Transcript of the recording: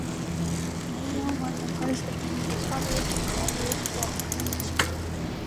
Ryan was the first in his family to graduate from college.